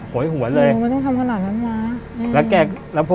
โหยหัวเลยแล้วพ่อผมเนี่ยก็แบบลุมด่ากันเลย